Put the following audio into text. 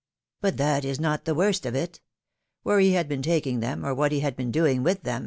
" But that is not the worst of it. Where he had been taking them, or what he had been doing with them.